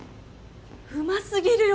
うますぎるよ